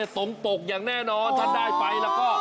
ตรงปกอย่างแน่นอนถ้าได้ไปแล้วก็